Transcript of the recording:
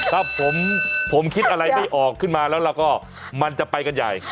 ถ้าผมคิดอะไรไม่ออกขึ้นมาแล้วเราก็มันจะไปกันใหญ่